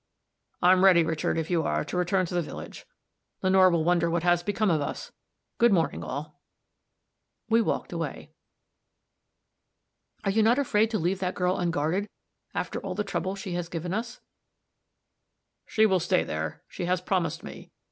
I'm ready, Richard, if you are, to return to the village. Lenore will wonder what has become of us. Good morning, all." We walked away. "Are you not afraid to leave that girl unguarded, after all the trouble she has given us?" "She will stay there; she has promised me.